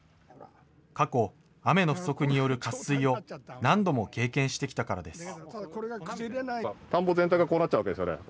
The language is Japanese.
過去、雨の不足による渇水を、何度も経験してきたからです。